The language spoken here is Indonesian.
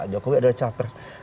jokowi adalah capers